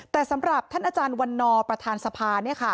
แต่สำหรับท่านอาจารย์วันนอร์ประธานสภา